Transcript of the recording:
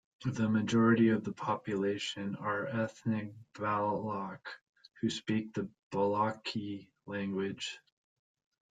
The majority of the population are ethnic Baloch, who speak the Balochi language.